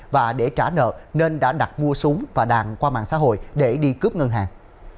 và để trả nợ nên đã đặt mua súng và đạn qua mạng xã hội để đi cướp ngân hàng